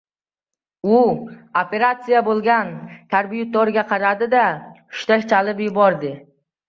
U «operatsiya» bo‘lgan karbyuratorga qaradi-da, hushtak chalib yubordi.